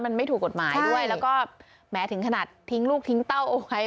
มันไม่ถูกกฎหมายด้วยแล้วก็แม้ถึงขนาดทิ้งลูกทิ้งเต้าเอาไว้